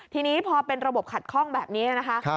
ทีนี้พอเป็นระบบขัดข้องแบบนี้นะคะ